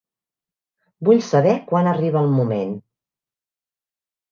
Vull saber quan arriba el moment.